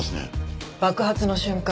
爆発の瞬間